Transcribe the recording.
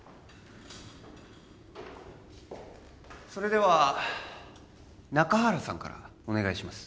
それでは中原さんからお願いします